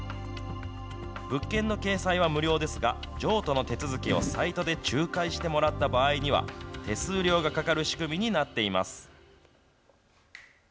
物件の掲載は無料ですが、譲渡の手続きをサイトで仲介してもらった場合には、手数料がかかる仕組みになっています。